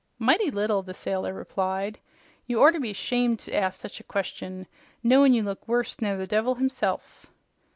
"Mighty little," the sailor replied. "You orter be 'shamed to ask sech a question, knowin' you look worse ner the devil himself."